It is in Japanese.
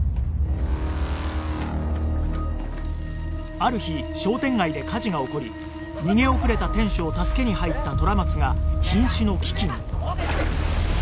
ある日商店街で火事が起こり逃げ遅れた店主を助けに入った虎松が瀕死の危機に